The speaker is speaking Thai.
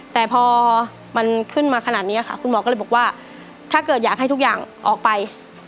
แต่พอมันขึ้นมาขนาดนี้ค่ะคุณหมอก็เลยบอกว่าถ้าเกิดอยากให้ทุกอย่างออกไป